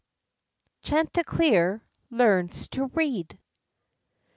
CHANTICLEER LEARNS TO READ.